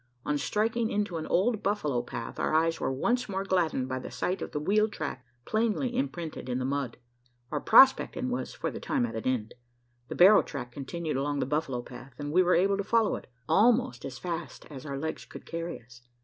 On striking into an old buffalo path, our eyes were once more gladdened by the sight of the wheel track plainly imprinted in the mud. "Our prospecting" was for the time at an end. The barrow track continued along the buffalo path; and we were able to follow it, almost as fast as our legs could carry us.